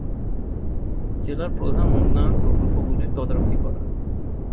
জেলার প্রধান উন্নয়ন প্রকল্পগুলির তদারকি করা।